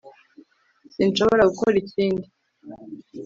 sinshobora gukora ikindi